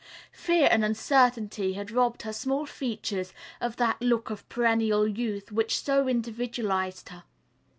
Fear and uncertainty had robbed her small features of that look of perennial youth which so individualized her.